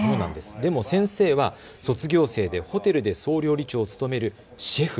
でも先生は卒業生でホテルで総料理長を務めるシェフ。